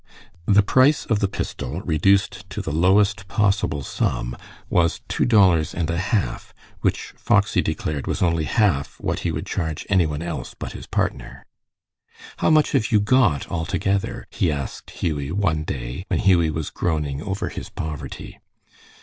The price of the pistol reduced to the lowest possible sum, was two dollars and a half, which Foxy declared was only half what he would charge any one else but his partner. "How much have you got altogether?" he asked Hughie one day, when Hughie was groaning over his poverty.